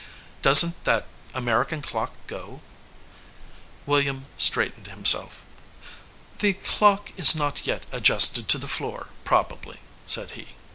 "Doesn t that American clock go ?" William straightened himself. "The clock is not yet adjusted to the floor, probably," said he.